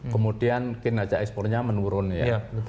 kemudian kinerja ekspornya menurun ya